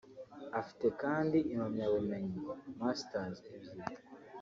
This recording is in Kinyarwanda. Afite kandi impamyabumenyi (masters) ebyiri